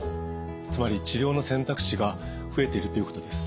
つまり治療の選択肢が増えているということです。